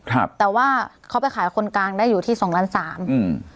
ครับแต่ว่าเขาไปขายคนกลางได้อยู่ที่สองล้านสามอืม